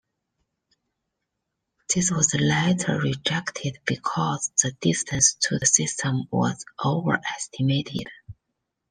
This was later rejected because the distance to the system was overestimated.